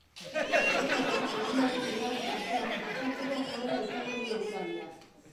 Dena den, egunaren bigarren partean atertzeko joera izango du eguraldiak.